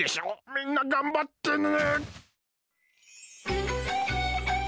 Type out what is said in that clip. みんながんばってね！